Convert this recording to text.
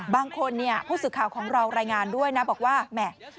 บางคนเนี่ยผู้สื่อข่าวของเรารายงานด้วยนะบอกว่าแหม่